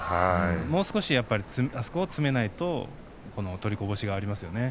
もう少しあそこを詰めないと取りこぼしがありますよね。